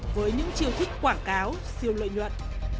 với những chiêu thích quảng cáo siêu lợi nhuận